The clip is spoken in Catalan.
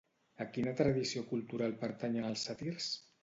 A quina tradició cultural pertanyen els sàtirs?